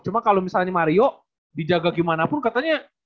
cuma kalau misalnya mario dijaga gimana pun katanya